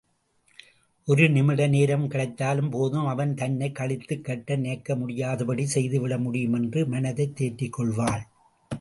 ஒரு நிமிடநேரம் கிடைத்தாலும் போதும், அவன் தன்னைக் கழித்துக்கட்ட நினைக்க முடியாதபடி செய்துவிட முடியும் என்று மனத்தை தேற்றிக்கொள்வாள்.